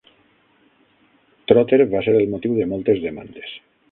Trotter va ser el motiu de moltes demandes.